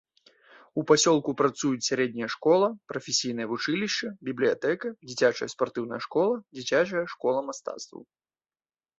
У пасёлку працуюць сярэдняя школа, прафесійнае вучылішча, бібліятэка, дзіцячая спартыўная школа, дзіцячая школа мастацтваў.